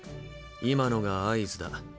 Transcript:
今のが「合図」だ。